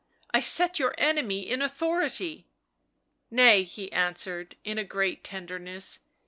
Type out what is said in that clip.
1 set your enemy in authority." " Nay!" he answered, in a great tenderness.